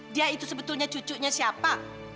dia itu sebetulnya cucunya siapa